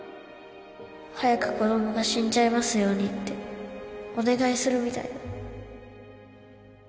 早く子供が死んじゃいますようにってお願いするみたいだ